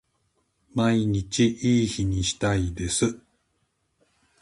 毎日いい日にしたいです